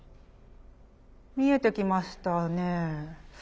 見えてきましたね。